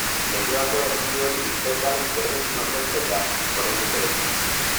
Leioako errepide hori bizkaitarren zergekin ordaintzen da, oraindik ere.